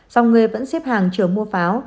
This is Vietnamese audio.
rằng người vẫn xếp hàng chờ mua pháo